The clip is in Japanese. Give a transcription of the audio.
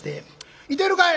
「いてるかい？」。